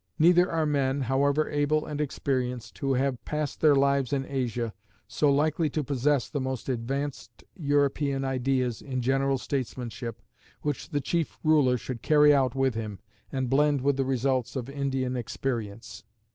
Neither are men, however able and experienced, who have passed their lives in Asia, so likely to possess the most advanced European ideas in general statesmanship, which the chief ruler should carry out with him, and blend with the results of Indian experience.